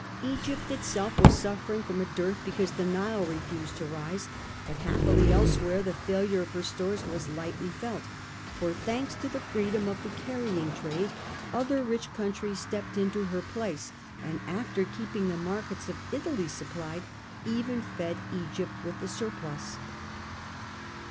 Egypt itself was suffering from a dearth because the Nile refused to rise ; but happily elsewhere the failure of her stores was lightly felt, for, thanks to the freedom of the carrying trade, other rich countries stepped into her place, and after keeping the markets of Italy supplied, even fed Egypt with the surplus.